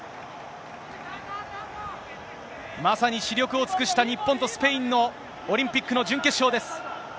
まさに死力を尽くした日本とスペインのオリンピックの準決勝です。